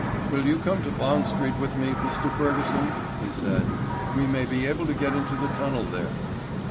"Will you come to Bond Street with me, Mr. Fergusson?" he said; "we may be able to get into the tunnel there."